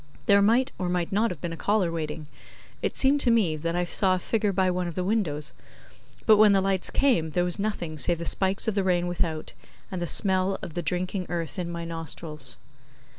There might or might not have been a caller waiting it seemed to me that I saw a figure by one of the windows but when the lights came there was nothing save the spikes of the rain without, and the smell of the drinking earth in my nostrils.